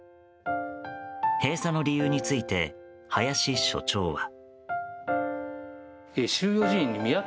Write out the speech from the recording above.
閉鎖の理由について林所長は。